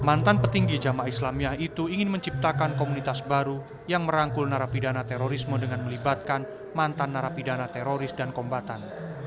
mantan petinggi jamaah islamiyah itu ingin menciptakan komunitas baru yang merangkul narapidana terorisme dengan melibatkan mantan narapidana teroris dan kombatan